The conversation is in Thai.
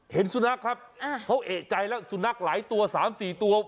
เห็นสุนัขครับเขาเอกใจแล้วสุนัขหลายตัว๓๔ตัว